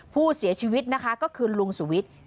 ผู้เสียชีวิตนะคะก็คือลุงสุวิทย์